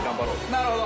なるほど！